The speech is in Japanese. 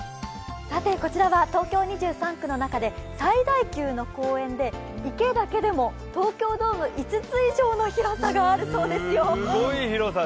こちらは東京２３区の中で最大級の公園で、池だけでも東京ドーム５つ以上の広さがあるそうですよ。